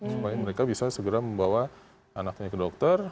supaya mereka bisa segera membawa anaknya ke dokter